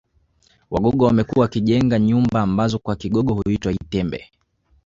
Wagogo wamekuwa wakijenga nyumba ambazo kwa Kigogo huitwa itembe